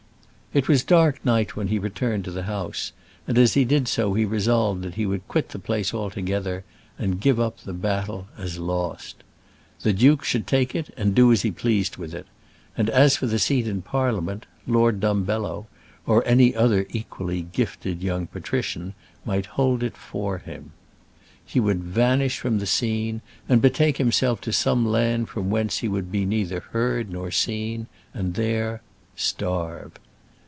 It was dark night when he returned to the house, and as he did so he resolved that he would quit the place altogether, and give up the battle as lost. The duke should take it and do as he pleased with it; and as for the seat in Parliament, Lord Dumbello, or any other equally gifted young patrician, might hold it for him. He would vanish from the scene and betake himself to some land from whence he would be neither heard nor seen, and there starve.